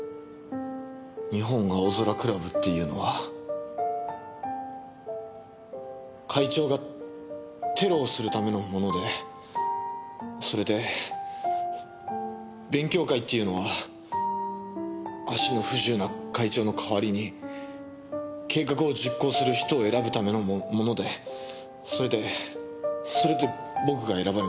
日本青空クラブっていうのは会長がテロをするためのものでそれで勉強会っていうのは足の不自由な会長の代わりに計画を実行する人を選ぶためのものでそれでそれで僕が選ばれました。